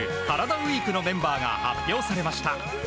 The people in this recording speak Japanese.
ＷＥＥＫのメンバーが発表されました。